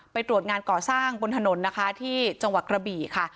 ตรวจงานก่อสร้างบนถนนนะคะที่จังหวัดกระบี่ค่ะ